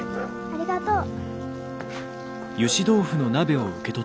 ありがとう。